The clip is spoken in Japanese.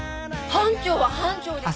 班長は班長です。